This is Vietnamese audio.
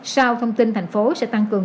sau thông tin thành phố sẽ tăng cường